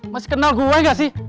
masih kenal gue gak sih